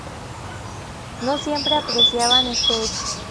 No siempre apreciaban este hecho.